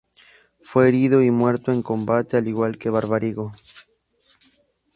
Fue herido y muerto en combate al igual que Barbarigo.